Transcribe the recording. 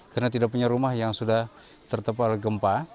karena tidak punya rumah yang sudah tertepal gempa